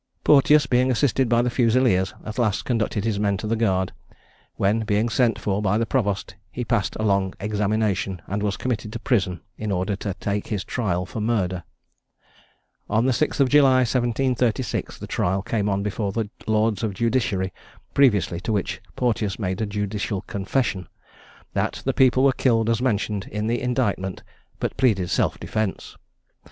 Porteous, being assisted by the Fusileers, at last conducted his men to the guard; when being sent for by the provost, he passed a long examination, and was committed to prison in order to take his trial for murder. On the 6th of July, 1736, the trial came on before the lords of justiciary previously to which Porteous made a judicial confession, that the people were killed as mentioned in the indictment, but pleaded self defence.